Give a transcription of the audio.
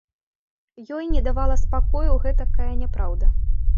Ёй не давала спакою гэтакая няпраўда.